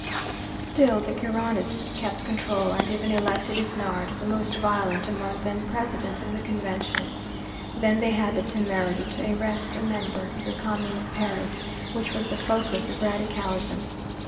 Still the Girondists kept control, and even elected Isnard, the most violent among them, President of the Convention. Then they had the temerity to arrest a member of the Commune of Paris, which was the focus of radicalism.